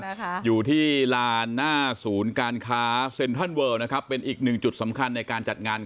นะคะอยู่ที่ลานหน้าศูนย์การค้าเซ็นทรัลเวิลนะครับเป็นอีกหนึ่งจุดสำคัญในการจัดงาน